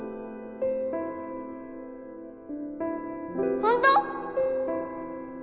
本当！？